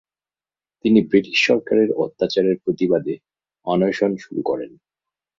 তিনি ব্রিটিশ সরকারের অত্যাচারের প্রতিবাদে অনশন শুরু করেন।